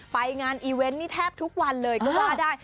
ไปงานีเว้นท์แทบทุกวันเลยก็หวาได้